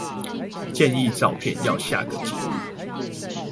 建議照片要下個警語